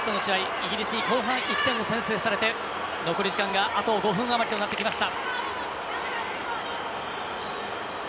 イギリスに後半に１点を先制されて残り時間があと５分あまりとなってきました。